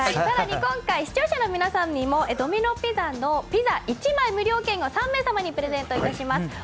更に今回、視聴者の皆さんもにもドミノ・ピザのピザ１枚無料券を３名様にプレゼントします。